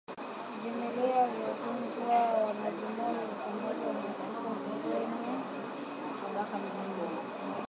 Vimelea vya ugonjwa wa majimoyo husambazwa na kupe wenye mabaka miguuni